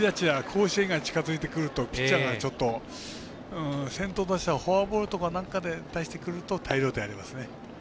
甲子園が近づいてくるとピッチャーが先頭打者をフォアボールとかで出してくると大量点がありますね。